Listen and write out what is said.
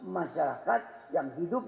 masyarakat yang hidup